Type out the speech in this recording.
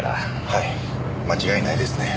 はい間違いないですね。